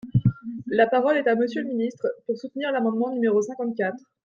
La parole est à Monsieur le ministre, pour soutenir l’amendement numéro cinquante-quatre.